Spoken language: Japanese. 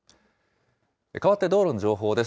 かわって道路の情報です。